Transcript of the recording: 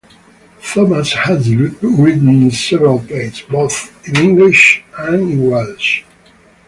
Thomas has written several plays, both in English and in Welsh.